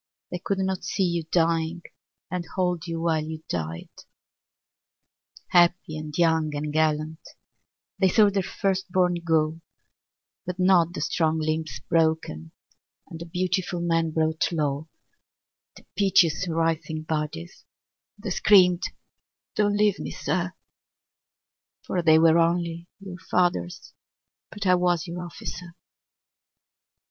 They could not see you dying. And hold you while you died. Happy and young and gallant, They saw their first bom go, 41 But not the strong limbs broken And the beautiful men brought low, The piteous writhing bodies, The screamed, " Don't leave me, Sir," For they were only your fathers But I was your officer.